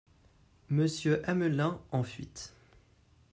Monsieur Amelin, en fuite.